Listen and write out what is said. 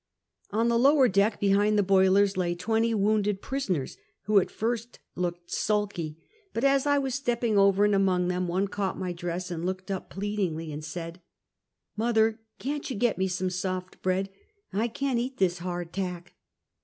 On the lower deck, behind the boilers, lay twenty wounded prisoners, who at first looked sulky; but as I was stepping over and among them, one caught my dress, looked up pleadingly, and said: "Mother, can't you get me some soft bread? I can 't eat this hard tack."